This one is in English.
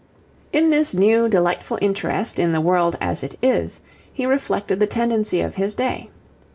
In this new delightful interest in the world as it is, he reflected the tendency of his day.